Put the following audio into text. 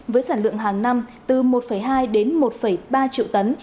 với sản lượng hàng năm từ một hai đến một ba triệu tấn